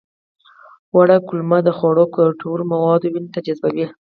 وړه کولمه د خوړو ګټور مواد وینې ته جذبوي